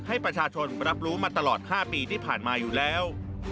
ให้ประชาชนรับรู้มาตลอด๕ปีที่ผ่านมาอยู่แล้ว